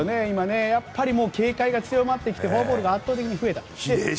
やっぱり警戒が強まってきてフォアボールが圧倒的に増えた。